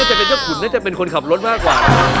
เอาพี่เชอรี่ละกันค่ะ